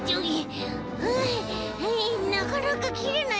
はあなかなかきれない。